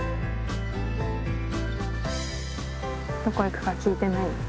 どこ行くか聞いてない？